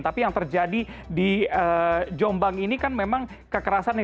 tapi yang terjadi di jombang ini kan memang kekerasannya